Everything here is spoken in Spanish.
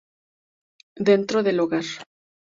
Dentro del Hogar